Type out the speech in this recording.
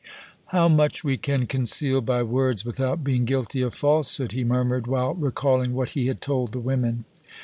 "How much we can conceal by words without being guilty of falsehood!" he murmured, while recalling what he had told the women.